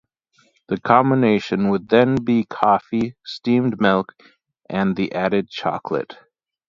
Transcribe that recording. The combination would then be coffee, steamed milk, and the added chocolate.